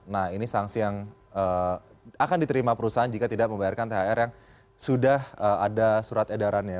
nah ini sanksi yang akan diterima perusahaan jika tidak membayarkan thr yang sudah ada surat edarannya